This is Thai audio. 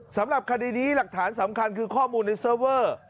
สำหรับคดีนี้หลักฐานสำคัญคือข้อมูลในเซอร์เวอร์